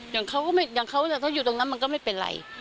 อย่างเขาถ้าอยู่ตรงนั้นมันก็ไม่เป็นไร